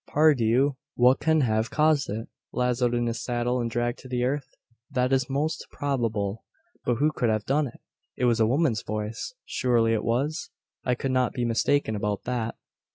Pardieu! what can have caused it? Lazoed in his saddle and dragged to the earth? That is most probable. But who could have done it? It was a woman's voice. Surely it was? I could not be mistaken about that.